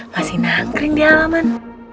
masih nangkring di alaman